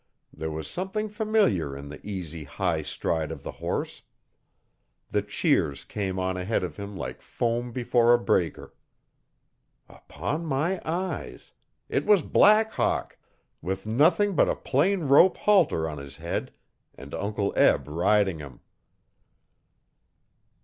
There was something familiar in the easy high stride of the horse. The cheers came on ahead of him like foam before a breaker. Upon my eyes! it was Black Hawk, with nothing but a plain rope halter on his head, and Uncle Eb riding him.